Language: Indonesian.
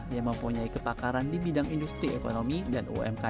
yang mempunyai kepakaran di bidang industri ekonomi dan umkm